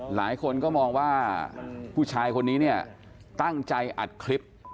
หลายคนก็มองว่าผู้ชายคนนี้เนี่ยตั้งใจอัดคลิป